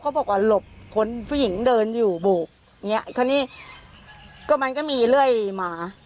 เขาก็บอกว่าหลบผู้หญิงเดินอยู่บวกอีกครั้งนี้มันก็มีเรื่อยมา